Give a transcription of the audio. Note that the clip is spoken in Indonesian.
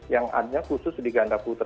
yang ada khusus di ganda putra